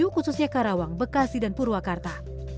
khususnya karawang bekasi dan purwakarta